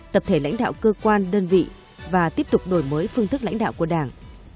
tập thể lãnh đạo cơ quan đơn vị và tiếp tục đổi mới phương thức lãnh đạo của đảng